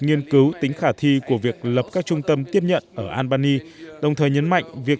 nghiên cứu tính khả thi của việc lập các trung tâm tiếp nhận ở albany đồng thời nhấn mạnh việc